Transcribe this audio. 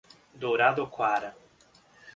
Douradoquara